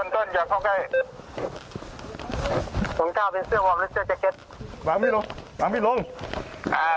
อ๋อดิดำ